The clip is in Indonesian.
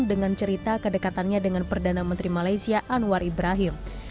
dengan cerita kedekatannya dengan perdana menteri malaysia anwar ibrahim